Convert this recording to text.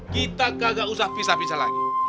kita kagak usah pisah pisah lagi